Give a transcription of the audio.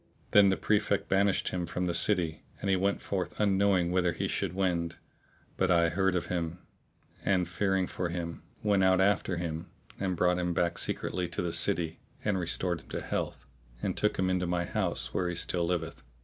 Then the Prefect banished him from the city; and he went forth unknowing whither he should wend; but I heard of him and fearing for him went out after him and brought him back secretly to the city and restored him to health and took him into my house where he still liveth.